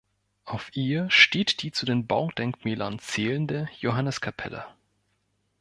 Auf ihr steht die zu den Baudenkmälern zählende "Johanneskapelle".